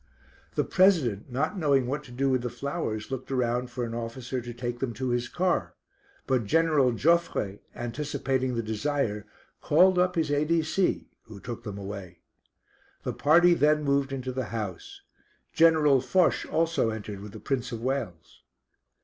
The President, not knowing what to do with the flowers, looked around for an officer to take them to his car, but General Joffre, anticipating the desire, called up his A.D.C. who took them away. The party then moved into the house. General Foch also entered with the Prince of Wales.